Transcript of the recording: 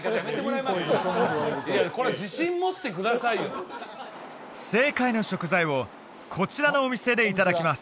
いやこれ自信持ってくださいよ正解の食材をこちらのお店でいただきます